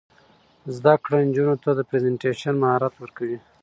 زده کړه نجونو ته د پریزنټیشن مهارت ورکوي.